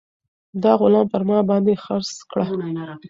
دا غلام پر ما باندې خرڅ کړه.